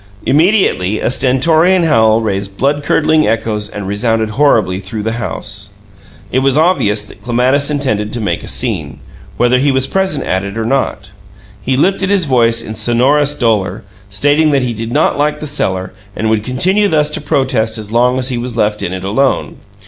Immediately a stentorian howl raised blood curdling echoes and resounded horribly through the house. It was obvious that Clematis intended to make a scene, whether he was present at it or not. He lifted his voice in sonorous dolor, stating that he did not like the cellar and would continue thus to protest as long as he was left in it alone.